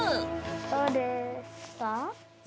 どうですか？